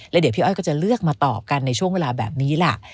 เดี๋ยวพี่อ้อยก็จะเลือกมาตอบกันในช่วงเวลาแบบนี้ล่ะ